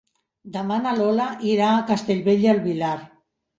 Demà na Lola irà a Castellbell i el Vilar.